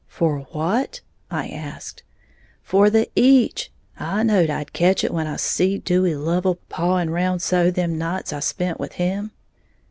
"For what?" I asked. "For the eech, I knowed I'd ketch it when I seed Dewey Lovel pawing round so them nights I spent with him."